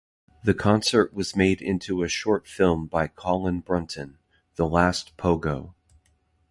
The concert was made into a short film by Colin Brunton, "The Last Pogo".